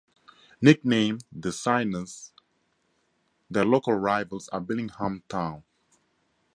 Nicknamed "the Synners", their local rivals are Billingham Town.